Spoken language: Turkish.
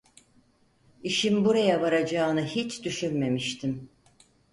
İşin buraya varacağını hiç düşünmemiştim.